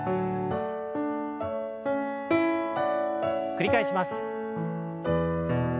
繰り返します。